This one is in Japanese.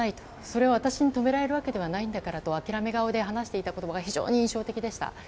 それは私に止められるわけではないんだからと諦め顔で話していた言葉が非常に印象的でした。